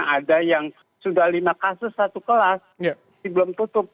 ada yang sudah lima kasus satu kelas belum tutup